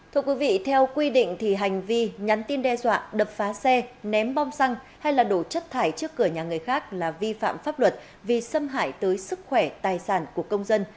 thưa quý vị theo quy định thì hành vi nhắn tin đe dọa đập phá xe ném bom xăng hay là đổ chất thải trước cửa nhà người khác là vi phạm pháp luật vì xâm hại tới sức khỏe tài sản của công dân